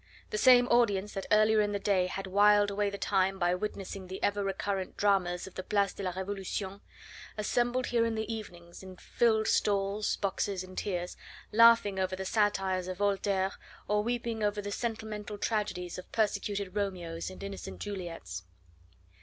The same audience that earlier in the day had whiled away the time by witnessing the ever recurrent dramas of the Place de la Revolution assembled here in the evenings and filled stalls, boxes, and tiers, laughing over the satires of Voltaire or weeping over the sentimental tragedies of persecuted Romeos and innocent Juliets.